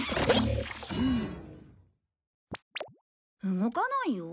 動かないよ？